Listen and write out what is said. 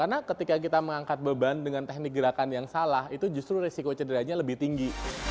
dan dengan teknik gerakan yang salah itu justru risiko cederanya lebih tinggi